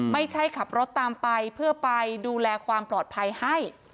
ไม่ใช่ขับรถตามไปเพื่อไปดูแลความปลอดภัยให้